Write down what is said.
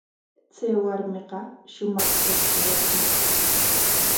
Chay warmiqa shumaq qipshayuqmi.